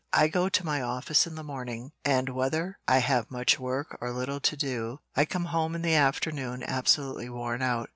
I go to my office in the morning, and whether I have much work or little to do, I come home in the afternoon absolutely worn out.